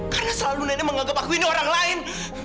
karena selalu nenek menganggap aku ini orang lain